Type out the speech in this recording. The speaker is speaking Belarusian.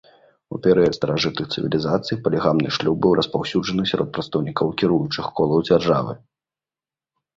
У перыяд старажытных цывілізацый палігамны шлюб быў распаўсюджаны сярод прадстаўнікоў кіруючых колаў дзяржавы.